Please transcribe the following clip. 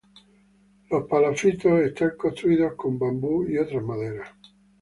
Los palafitos están construidos con bambú y otras maderas.